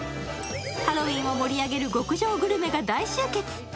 ハロウィーンを盛り上げる極上グルメが大集結。